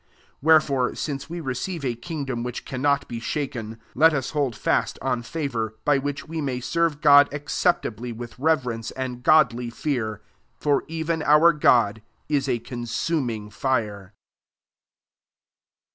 28 Wherefore, since we re ieive a kingdom which cannot >e shaken, let us hold fast on avour, by which we may serve jod acceptably with reverence Lud godly fear. 29 For even our jod i8 a consuming fire.